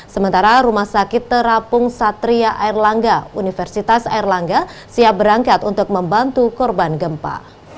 sementara rumah sakit terapung satria air langga universitas erlangga siap berangkat untuk membantu korban gempa